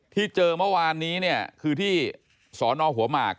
ที่เจอเมื่อวานนี้คือที่สนหัวมาก